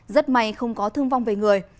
rất may không có thương vong về người